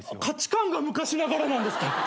価値観が昔ながらなんですか！？